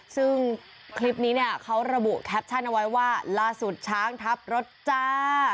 ซึ่งคลิปนี้เนี่ยเขาระบุแคปชั่นเอาไว้ว่าล่าสุดช้างทับรถจ้า